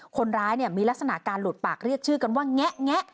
คนร้ายมีลักษณะการหลุดปากเรียกชื่อกันว่าแงะ